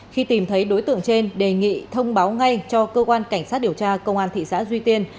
khi tìm thấy đối tượng trên đề nghị thông báo ngay cho cơ quan cảnh sát điều tra công an thị xã duy tiên